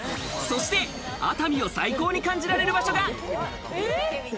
そして熱海を最高に感じられる場所が。